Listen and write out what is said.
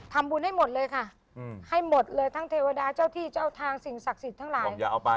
ทำบุญให้หมดเลยค่ะให้หมดเลยทั้งเทวดาเจ้าที่เจ้าทางสิ่งศักดิ์สิทธิ์ทั้งหลาย